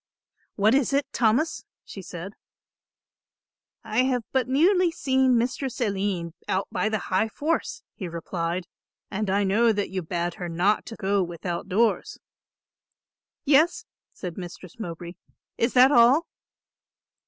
"What is it, Thomas?" she said. "I have but newly seen Mistress Aline out by the High Force," he replied, "and I know that you bade her not to go without doors." "Yes," said Mistress Mowbray. "Is that all?"